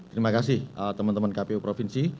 terima kasih teman teman kpu provinsi